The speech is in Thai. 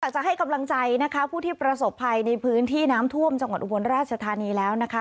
จะให้กำลังใจนะคะผู้ที่ประสบภัยในพื้นที่น้ำท่วมจังหวัดอุบลราชธานีแล้วนะคะ